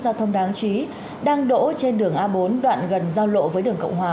giao thông đáng chí đang đổ trên đường a bốn đoạn gần giao lộ với đường cộng hòa